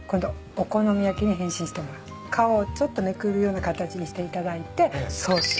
皮をちょっとめくるような形にしていただいてソースを。